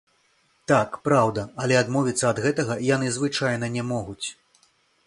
Так, праўда, але адмовіцца ад гэтага яны звычайна не могуць.